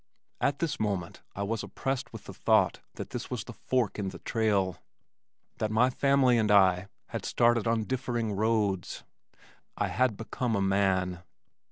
At the moment I was oppressed with the thought that this was the fork in the trail, that my family and I had started on differing roads. I had become a man.